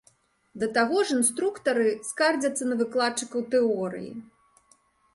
Да таго ж інструктары скардзяцца на выкладчыкаў тэорыі.